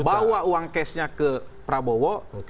bawa uang cashnya ke prabowo